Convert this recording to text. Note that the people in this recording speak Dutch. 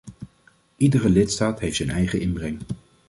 Iedere lidstaat heeft zijn eigen inbreng.